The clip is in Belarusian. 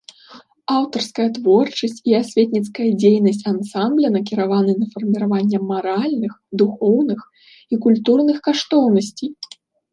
Аўтарская творчасць і асветніцкая дзейнасць ансамбля накіраваны на фарміраванне маральных, духоўных і культурных каштоўнасцей.